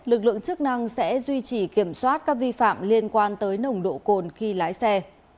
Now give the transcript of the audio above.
lực lượng chức năng sẽ duy trì kiểm soát các vi phạm liên quan tới nồng độ cồn khi lái xe